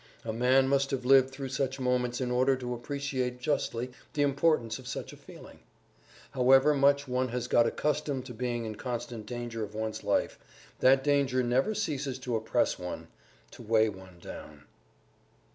A man must have lived through such moments in order to appreciate justly the importance of such a feeling. However much one has got accustomed to being in constant danger of one's life, that danger never ceases to oppress one, to weigh one down.